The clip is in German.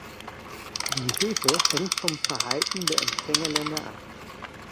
Die Hilfe hängt vom Verhalten der Empfängerländer ab.